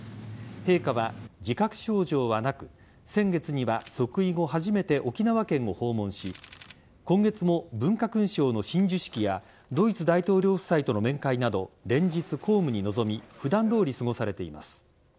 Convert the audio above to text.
陛下は自覚症状はなく先月には即位後初めて沖縄県を訪問し今月も文化勲章の親授式やドイツ大統領夫妻との面会など連日、公務に臨み普段どおり過ごされています。